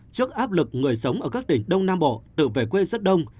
trước áp lực người sống ở các tỉnh đông nam bộ tự về quê rất đông